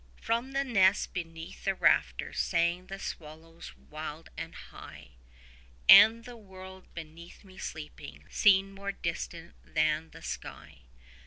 10 From their nests beneath the rafters sang the swallows wild and high; And the world, beneath me sleeping, seemed more distant than the sky.